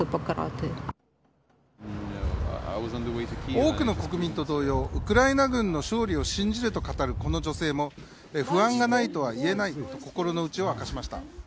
多くの国民と同様ウクライナ軍の勝利を信じると語るこの女性も不安がないとは言えないと心の内を明かしました。